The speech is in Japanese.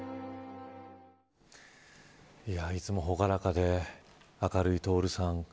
いつも朗らかで明るい徹さん。